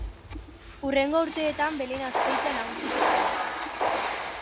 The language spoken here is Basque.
Hurrengo urteetan Belen Azpeitia nagusitu zen.